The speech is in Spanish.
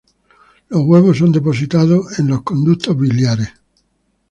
Los huevos son depositados en los conductos biliares.